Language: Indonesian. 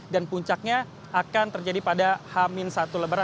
dan puncaknya akan terjadi pada hamin satu lebaran